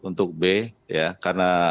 untuk b ya karena